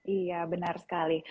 iya benar sekali